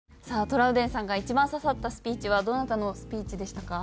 トラウデンさんが一番刺さったスピーチはどなたのスピーチでしたか？